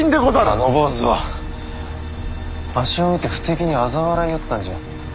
あの坊主はわしを見て不敵にあざ笑いよったんじゃ。